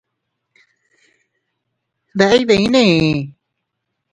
¿Deʼe iydinne?